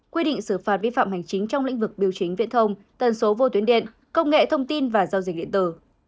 quy định xử phạt vi phạm hành chính trong lĩnh vực biểu chính viễn thông tần số vô tuyến điện công nghệ thông tin và giao dịch điện tử